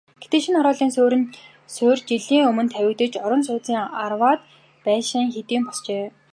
Гэхдээ шинэ хорооллын суурь жилийн өмнө тавигдаж, орон сууцны арваад байшин хэдийн босжээ.